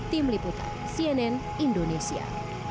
tim liputan cnn indonesia